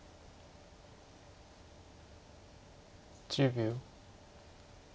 １０秒。